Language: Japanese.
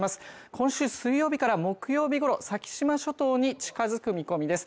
今週水曜日から木曜日ごろ先島諸島に近づく見込みです